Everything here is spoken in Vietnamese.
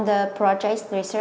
trên tài liệu